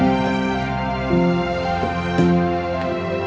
aku mau denger